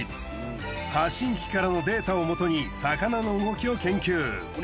発信機からのデータをもとに魚の動きを研究。